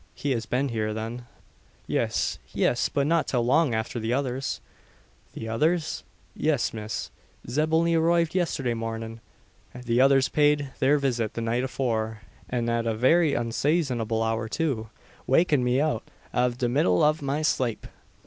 "He has been here, then?" "Yis yis but not till long afther the others." "The others?" "Yis, miss. Zeb only arroived yestherday marnin'. The others paid their visit the night afore, an at a very unsayzonable hour too, wakin' me out av the middle av my slape."